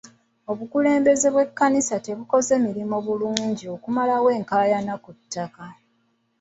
Obukulembeze bw'ekkanisa tebukoze mulimu bulungi okumalawo enkaayana ku ttaka.